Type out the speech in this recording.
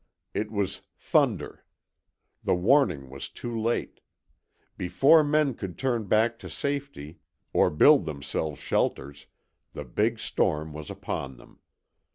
It was THUNDER. The warning was too late. Before men could turn back to safety, or build themselves shelters, the Big Storm was upon them.